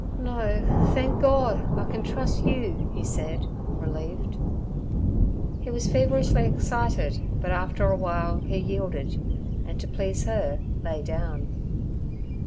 'No, thenk Gord, I can trus' you' he said, relieved. He was feverishly excited, but after a while he yielded, and to please her lay down.